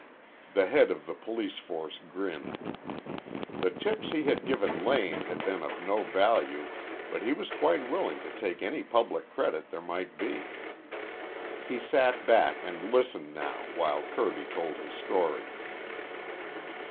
The head of the police force grinned. The tips he had given Lane had been of no value, but he was quite willing to take any public credit there might be. He sat back and listened now while Kirby told his story.